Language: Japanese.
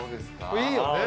いいよね。